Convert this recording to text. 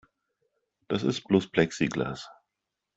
Das ist bloß Plexiglas.